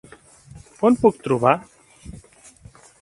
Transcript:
On puc trobar.?